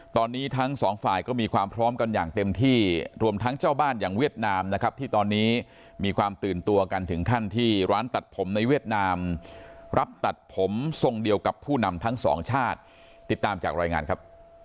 ตอนนี้ทั้งสองฝ่ายก็มีความพร้อมกันอย่างเต็มที่รวมทั้งเจ้าบ้านอย่างเวียดนามนะครับที่ตอนนี้มีความตื่นตัวกันถึงขั้นที่ร้านตัดผมในเวียดนามรับตัดผมทรงเดียวกับผู้นำทั้งสองชาติติดตามจากรายงานครับ